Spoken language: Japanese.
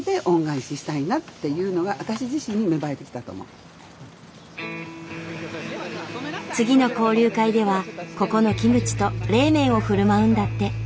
ただ本当に次の交流会ではここのキムチと冷麺をふるまうんだって。